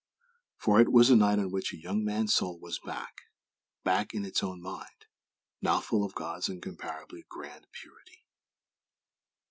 _" For it was a night on which a young man's Soul was back; back in its own Mind, now full of God's incomparably grand _purity!